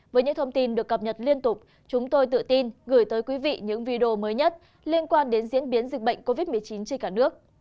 với những thông tin được cập nhật liên tục chúng tôi tự tin gửi tới quý vị những video mới nhất liên quan đến diễn biến dịch bệnh covid một mươi chín trên cả nước